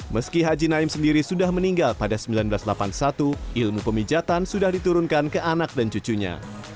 meski haji naim sendiri sudah meninggal pada seribu sembilan ratus delapan puluh satu ilmu pemijatan sudah diturunkan ke anak dan cucunya